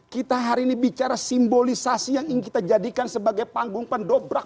kita hari ini bicara simbolisasi yang ingin kita jadikan sebagai panggung pendobrak